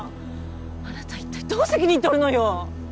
あなた一体どう責任とるのよ！？